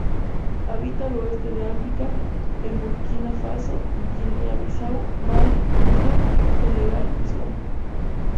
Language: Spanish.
Habita al oeste de África, en Burkina Faso, Guinea-Bissau, Mali, Niger, Senegal y Sudán.